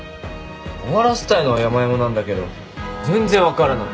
終わらせたいのはやまやまなんだけど全然分からない。